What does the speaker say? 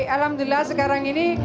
alhamdulillah sekarang ini